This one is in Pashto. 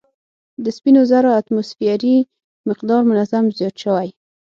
د سپینو زرو اتوموسفیري مقدار منظم زیات شوی